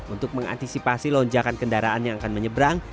untuk mengantisipasi lonjakan kendaraan yang akan menyeberang